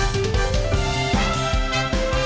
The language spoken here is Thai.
สวัสดีค่ะ